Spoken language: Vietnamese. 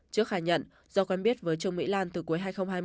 trước khai nhận do quen biết với trương mỹ lan từ cuối hai nghìn hai mươi